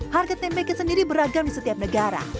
harga tempe ke sendiri beragam di setiap negara